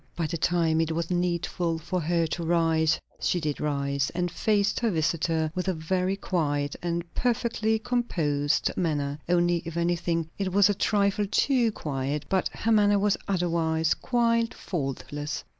By the time it was needful for her to rise she did rise, and faced her visitor with a very quiet and perfectly composed manner. Only, if anything, it was a trifle too quiet; but her manner was other wise quite faultless.